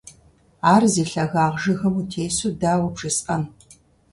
Ар зи лъэгагъ жыгым утесу дауэ бжесӀэн?